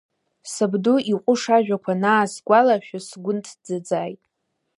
Сабду иҟәыш ажәақәа анаасгәалашәа, сгәы нҭӡыӡааит.